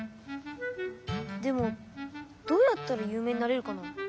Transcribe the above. でもどうやったらゆう名になれるかな？